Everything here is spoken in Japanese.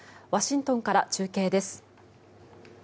ワシントンから中継です。